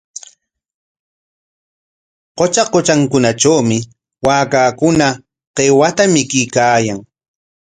Qutra kutruntrawmi waakakuna qiwata mikuykaayan.